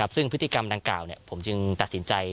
ซึ่งพฤติกรรมดังกล่าวผมจึงตัดสินใจ